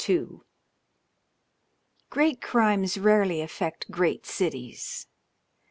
'' IL Great crimes rarely afiect great cities.